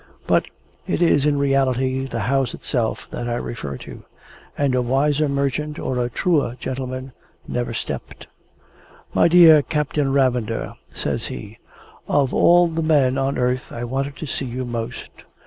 But, it is in reality the House itself that I refer to; and a wiser merchant or a truer gentleman never stepped. "My dear Captain Ravender," says he. "Of all the men on earth, I wanted to see you most.